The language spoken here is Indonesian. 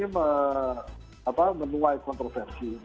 ini menuai kontroversi